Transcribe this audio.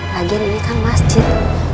lagian ini kan masjid